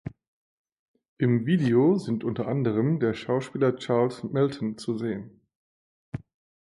Im Video sind unter anderem der Schauspieler Charles Melton zu sehen.